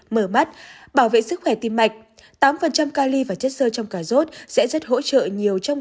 mở mắt bảo vệ sức khỏe tim mạch tám cali và chất sơ trong cà rốt sẽ rất hỗ trợ nhiều trong